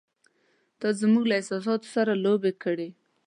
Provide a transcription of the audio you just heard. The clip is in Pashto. “تا زموږ له احساساتو سره لوبې کړې!